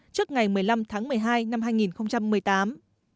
trước ngày một mươi năm tháng một mươi hai năm hai nghìn một mươi tám